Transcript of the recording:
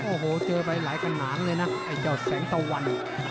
โอ้โหเจอไปหลายขนาดเลยนะไอ้เจ้าแสงตะวัน